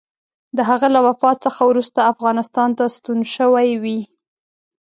د هغه له وفات څخه وروسته افغانستان ته ستون شوی وي.